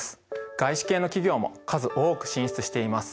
外資系の企業も数多く進出しています。